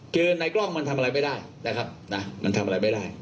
คือในกล้องมันทำอะไรไม่ได้นะครับนะมันทำอะไรไม่ได้